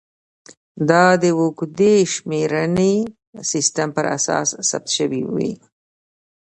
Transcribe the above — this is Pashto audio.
دا د اوږدې شمېرنې سیستم پر اساس ثبت شوې وې